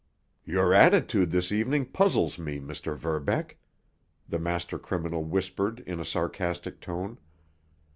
"Your attitude this evening puzzles me, Mr. Verbeck," the master criminal whispered in a sarcastic tone.